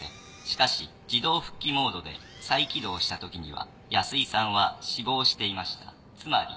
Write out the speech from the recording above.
しかし自動復帰モードで再起動した時には安井さんは死亡していましたつまり。